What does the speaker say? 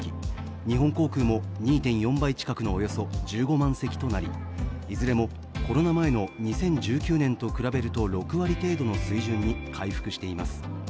日本航空も２．４倍近くのおよそ１５万席となり、いずれもコロナ前の２０１９年と比べると６割程度の水準に回復しています。